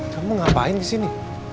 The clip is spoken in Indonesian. kamu ngapain di sini